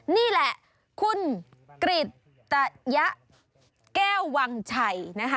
นี่แหละคุณกริจตะยะแก้ววังชัยนะคะ